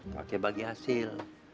pakai bagi hasil